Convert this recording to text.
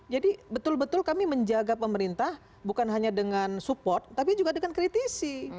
jadi betul betul kami menjaga pemerintah bukan hanya dengan support tapi juga dengan kritisi